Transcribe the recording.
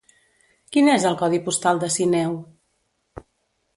Quin és el codi postal de Sineu?